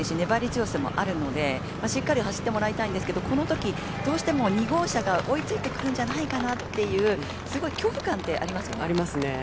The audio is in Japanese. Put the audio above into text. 粘り強さもあるので、しっかり走ってもらいたいんですけどこの時、どうしても２号車が追い付いてくるんじゃないかなっていうすごい恐怖感ってありますよね。